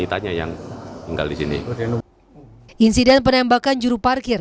insiden penembakan juru parkir